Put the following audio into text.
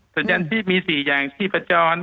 สัญญาณที่มีสี่อย่างชีพประจ้อม